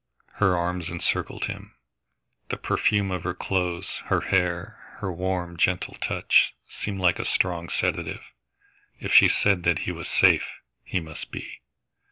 Her arms encircled him. The perfume of her clothes, her hair, her warm, gentle touch, seemed like a strong sedative. If she said that he was safe, he must be.